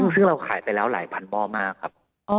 ซึ่งเราขายไปแล้วหลายพันหม้อมากครับ